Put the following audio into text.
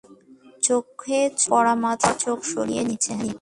চোখে চোখ পড়ামাত্র চোখ সরিয়ে নিচ্ছে।